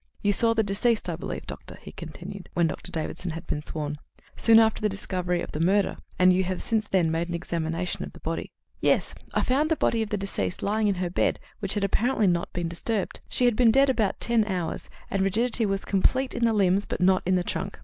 You saw the deceased, I believe, Doctor," he continued, when Dr. Davidson had been sworn, "soon after the discovery of the murder, and you have since then made an examination of the body?" "Yes. I found the body of the deceased lying in her bed, which had apparently not been disturbed. She had been dead about ten hours, and rigidity was complete in the limbs but not in the trunk.